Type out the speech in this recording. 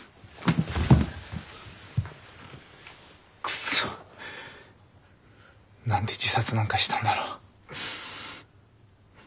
クソッ何で自殺なんかしたんだろう。